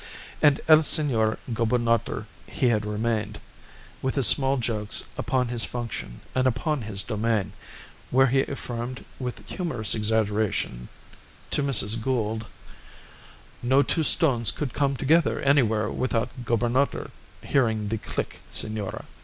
And El Senor Gobernador he had remained, with his small jokes upon his function and upon his domain, where he affirmed with humorous exaggeration to Mrs. Gould "No two stones could come together anywhere without the Gobernador hearing the click, senora."